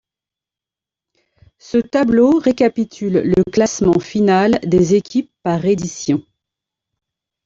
Ce tableau récapitule le classement final des équipes par édition.